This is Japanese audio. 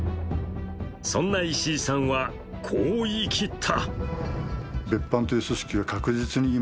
そんな石井さんはこう言い切った。